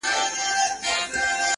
چي نیکونو به ویله بس همدغه انقلاب دی،